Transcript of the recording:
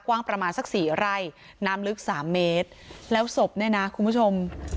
กว้างประมาณสักสี่ไร่น้ำลึกสามเมตรแล้วศพเนี่ยนะคุณผู้ชม